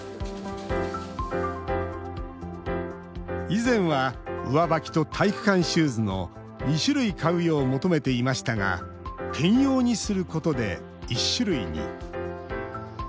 以前は上履きと体育館シューズの２種類買うよう求めていましたが兼用にすることで１種類に。